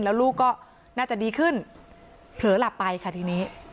แล้วลูกก็น่าจะดีขึ้นเผลอหลับไปค่ะทีนี้